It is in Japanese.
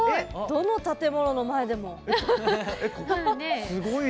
どの建物の前でも。